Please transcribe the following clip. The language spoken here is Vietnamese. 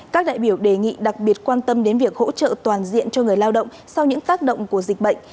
các đại biểu đề nghị đặc biệt quan tâm đến việc hỗ trợ toàn diện cho người lao động sau những tác động của dịch bệnh